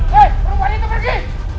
hei perubahan itu pergi